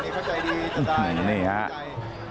นี่เข้าใจดีตอนใดจะผมไม่ใจ